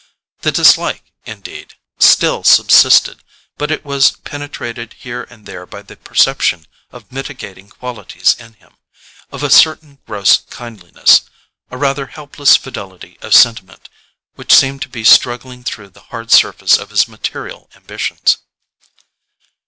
The dislike, indeed, still subsisted; but it was penetrated here and there by the perception of mitigating qualities in him: of a certain gross kindliness, a rather helpless fidelity of sentiment, which seemed to be struggling through the hard surface of his material ambitions.